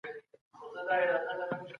اکا مي نن کندهاري کالي اغوستي دي.